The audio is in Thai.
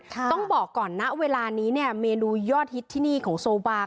ต้องบอกก่อนนะเวลานี้เนี่ยเมนูยอดฮิตที่นี่ของโซบา